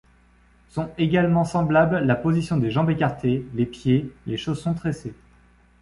Sont également semblables la position des jambes écartées, les pieds, les chaussons tressés.